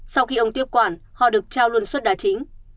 sau khi ông tiếp quản họ được trao luôn suất đá chính